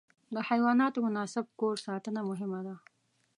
د حیواناتو مناسب کور ساتنه مهمه ده.